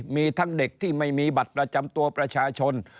มีทั้งเด็กที่ไม่มีบัตรประจำตัวประชาชน